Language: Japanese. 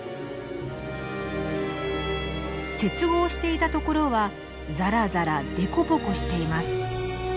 接合していたところはザラザラデコボコしています。